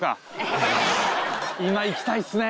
今行きたいっすね！